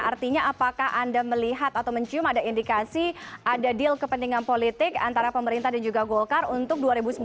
artinya apakah anda melihat atau mencium ada indikasi ada deal kepentingan politik antara pemerintah dan juga golkar untuk dua ribu sembilan belas